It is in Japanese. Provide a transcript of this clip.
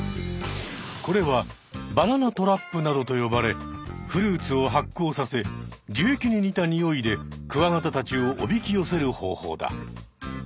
これはバナナトラップなどと呼ばれフルーツを発酵させ樹液に似たにおいでクワガタたちをおびきよせる方法だ。